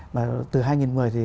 mà từ hai nghìn một mươi thì